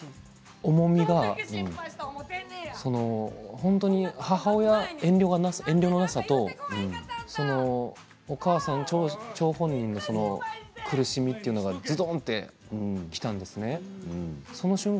ここの重みが本当に母親の遠慮の中で張本人の苦しみというのはずどんときたんですね。